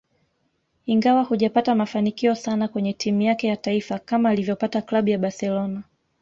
Ingawa hajapata mafanikio sana kwenye timu yake ya taifa kama alivyopata Klabu ya Barcelona